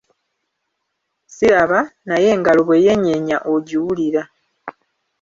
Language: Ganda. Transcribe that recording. Siraba, naye engalo bwe yeenyeenya ogiwulira.